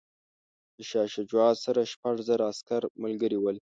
د شاه شجاع سره شپږ زره عسکر ملګري ول.